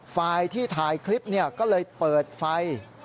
ฝ่ายที่ถ่ายคลิปก็เลยเปิดไฟ